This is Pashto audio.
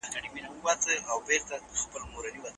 امام القرطبي رحمه الله ئې په تفسير کي ليکلي دي.